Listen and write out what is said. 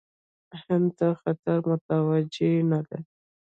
هند ته خطر متوجه نه دی.